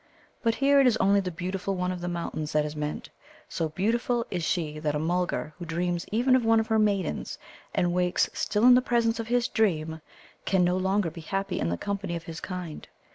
But here it is only the Beautiful One of the Mountains that is meant. So beautiful is she that a Mulgar who dreams even of one of her Maidens, and wakes still in the presence of his dream, can no longer be happy in the company of his kind.